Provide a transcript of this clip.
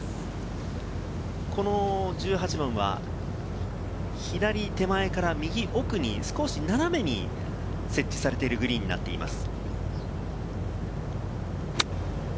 １８番は左手前から右奥に少し斜めに設置されているグリーンになっています。